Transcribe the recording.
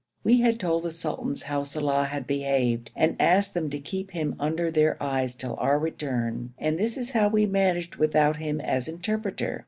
We had told the sultans how Saleh had behaved and asked them to keep him under their eyes till our return, and this is how we managed without him as interpreter.